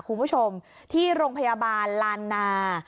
คุณผู้ชมที่โรงพยาบาลลานนา